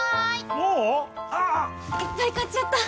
もう⁉ああ・・・いっぱい買っちゃった！